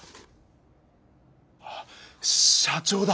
あっ社長だ！